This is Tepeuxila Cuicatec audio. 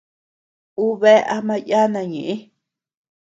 Un bea ama yana ñeʼë.